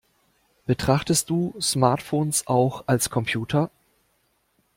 Betrachtest du Smartphones auch als Computer?